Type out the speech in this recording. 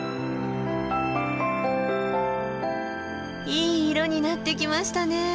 いい色になってきましたね。